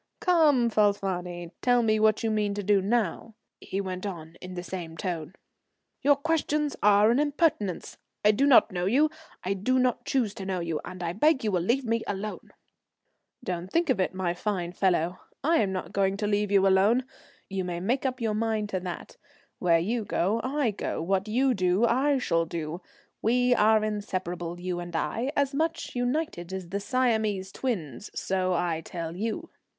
"Come, Falfani, tell me what you mean to do now," he went on in the same tone. "Your questions are an impertinence. I do not know you. I do not choose to know you, and I beg you will leave me alone." "Don't think of it, my fine fellow. I'm not going to leave you alone. You may make up your mind to that. Where you go, I go; what you do, I shall do. We are inseparables, you and I, as much united as the Siamese twins. So I tell you."